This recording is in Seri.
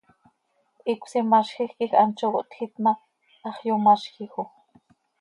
Hicös imazjij quij hant zo cohtjiit ma, hax yomazjij oo.